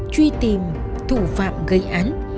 truy tìm thủ phạm gây án